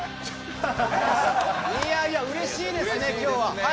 いやいや、うれしいですね、今日は。